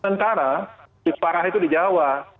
yang paling parah itu di jawa